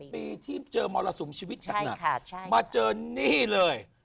ปีที่เจอมรสุมชีวิตหนักมาเจอนี่เลย